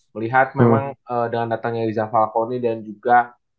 melihat memang dengan datangnya rizal falcone dan juga